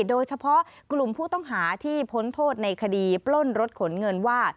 โดยเฉพาะกลุ่มผู้ต้องหาที่พ้นโทษในคดีปล้นรถขนเงินว่า